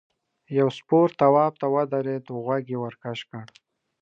یو سپور تواب ته ودرېد غوږ یې ورکش کړ.